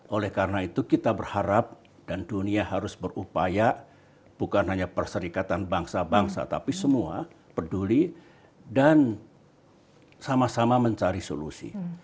oleh karena itu kita berharap dan dunia harus berupaya bukan hanya perserikatan bangsa bangsa tapi semua peduli dan sama sama mencari solusi